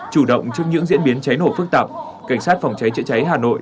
chủ động trước những diễn biến cháy nổ phức tạp cảnh sát phòng cháy chữa cháy hà nội